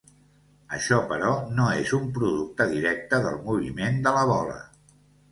Això, però, no és un producte directe del moviment de la bola.